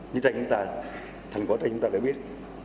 như thế chúng ta thành quả thế chúng ta đã biết